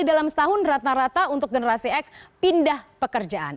jadi dalam setahun rata rata untuk generasi x pindah pekerjaan